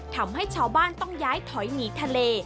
ทำให้ชาวบ้านต้องย้ายถอยหนีทะเล